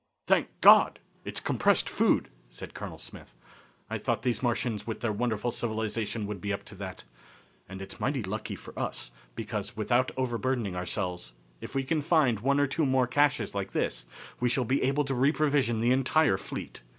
"Thank God! It's compressed food," said Colonel Smith. "I thought these Martians with their wonderful civilization would be up to that. And it's mighty lucky for us, because, without overburdening ourselves, if we can find one or two more caches like this we shall be able to reprovision the entire fleet.